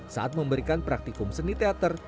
saat memberikan praktikum seni teater